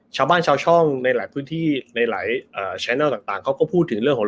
ชาวบ้านชาวช่องในหลายพื้นที่ในหลายแนลต่างเขาก็พูดถึงเรื่องของ